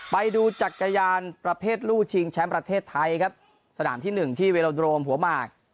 ไปดูจักรยานประเภทลูกชิงแชมป์ประเทศไทยครับสนามที่หนึ่งที่เวโลโดรมหัวหมาก